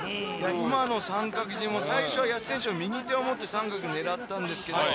今の三角絞めも最初は矢地選手の右手を持って三角を狙ったんですが。